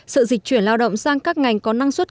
sự dịch chuyển lao động sang các ngành có năng suất